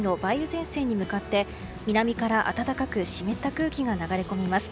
前線に向かって南から暖かく湿った空気が流れ込みます。